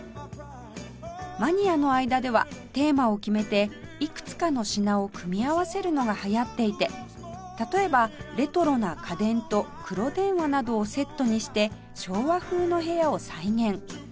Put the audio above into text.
マニアの間ではテーマを決めていくつかの品を組み合わせるのが流行っていて例えばレトロな家電と黒電話などをセットにして昭和風の部屋を再現